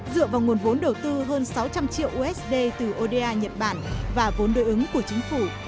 dựa vào nguồn vốn đầu tư hơn sáu trăm linh triệu usd từ oda nhật bản và vốn đối ứng của chính phủ